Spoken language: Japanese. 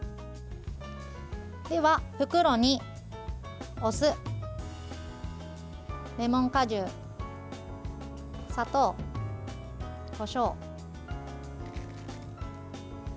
では、袋にお酢、レモン果汁砂糖、こしょう、塩。